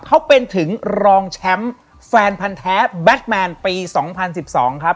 เขาเป็นถึงรองแชมป์แฟนพันธ์แท้แบทแมนปี๒๐๑๒ครับ